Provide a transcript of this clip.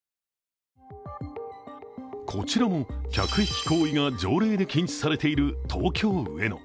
こちらも客引き行為が条例で禁止されている東京・上野。